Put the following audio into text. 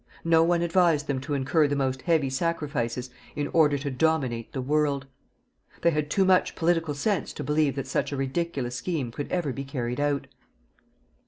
No one advised them to incur the most heavy sacrifices in order to dominate the world. They had too much political sense to believe that such a ridiculous scheme could ever be carried out.